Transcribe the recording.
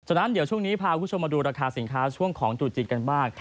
นั้นเดี๋ยวช่วงนี้พาคุณผู้ชมมาดูราคาสินค้าช่วงของตรุษจีนกันบ้าง